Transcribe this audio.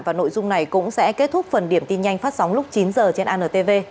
và nội dung này cũng sẽ kết thúc phần điểm tin nhanh phát sóng lúc chín h trên antv